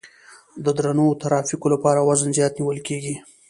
د درنو ترافیکو لپاره وزن زیات نیول کیږي